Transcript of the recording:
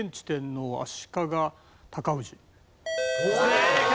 正解！